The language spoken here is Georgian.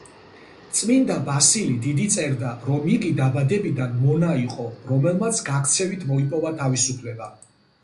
წმინდა ბასილი დიდი წერდა, რომ იგი დაბადებიდან მონა იყო, რომელმაც გაქცევით მოიპოვა თავისუფლება.